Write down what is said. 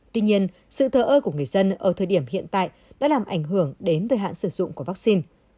tuy nhiên sự thờ ơi của người dân ở thời điểm hiện tại đã làm ảnh hưởng đến thời hạn sử dụng của vaccine